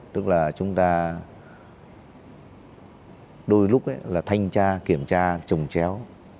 tức là chúng ta đôi lúc là thanh tra kiểm tra trồng chéo